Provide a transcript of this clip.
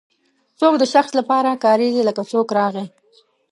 څوک د شخص لپاره کاریږي لکه څوک راغی.